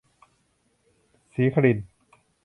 ศิครินทร์